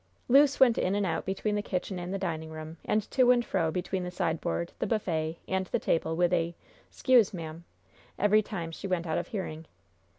Luce went in and out between the kitchen and the dining room, and to and fro between the sideboard, the buffet and the table, with a: "'Scuse, ma'am," every time she went out of hearing.